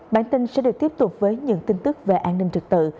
bản tin sẽ được tiếp tục với những tin tức về an ninh trực tự